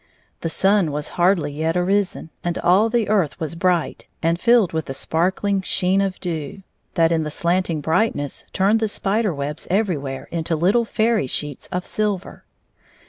The sun had hardly yet arisen, and all the earth was bright and filled with the sparkling T26 sheen of dew, that, in the slanting brightness, turned the spider webs everywhere into little fairy sheets of silver.